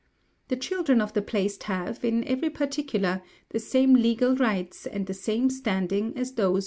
The children of the placed have, in every particular, the same legal rights and the same standing as those born in wedlock.